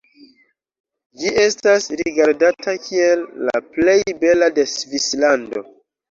Ĝi estas rigardata kiel la plej bela de Svislando.